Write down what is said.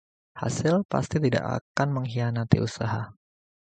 Hasil pasti tidak akang mengkhianati usaha.